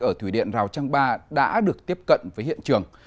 ở thủy điện rào trang ba đã được tiếp cận với hiện trường